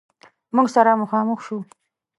موږ سره مخامخ شو.